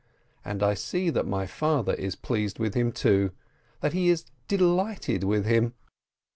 And I see that my father is pleased with him, too, that he is delighted with him.